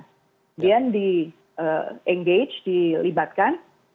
kemudian di engage dilibatkan